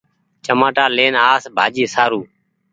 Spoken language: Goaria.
چمآٽا لين آس ڀآڃي سآرو